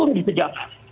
kami di pejabat